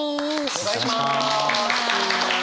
お願いします。